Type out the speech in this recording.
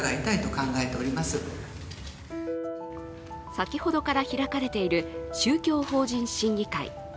先ほどから開かれている宗教法人審議会。